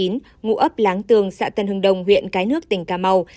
ngụ ấp láng tường xã tân hưng đông huyện cái nước tỉnh cà mau